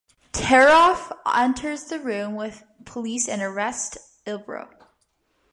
Terhoff enters the room with police and arrests Ibro.